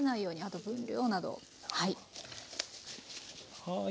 はい。